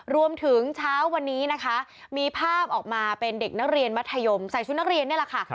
เช้าวันนี้นะคะมีภาพออกมาเป็นเด็กนักเรียนมัธยมใส่ชุดนักเรียนนี่แหละค่ะ